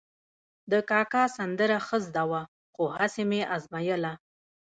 د کاکا سندره ښه زده وه، خو هسې مې ازمایله.